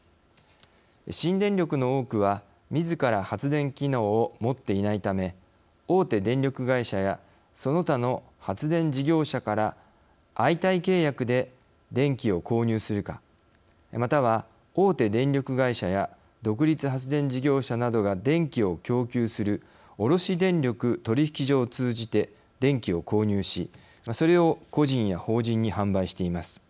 新電力の多くは、みずから発電機能を持っていないため大手電力会社やその他の発電事業者から相対契約で電気を購入するかまたは、大手電力会社や独立発電事業者などが電気を供給する卸電力取引所を通じて電力を購入しそれを個人や法人に販売しています。